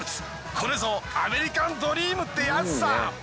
これぞアメリカンドリームってやつさ。